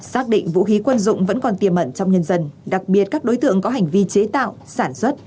xác định vũ khí quân dụng vẫn còn tiềm mẩn trong nhân dân đặc biệt các đối tượng có hành vi chế tạo sản xuất